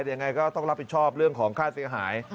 ยังไงก็ต้องรับผิดชอบเรื่องของค่าเสียหาย